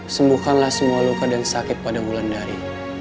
sembukalah semua luka dan sakit pada wulandari